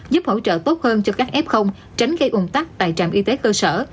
giúp hỗ trợ tốt hơn cho các f tránh gây ủng tắc tại trạm y tế cơ sở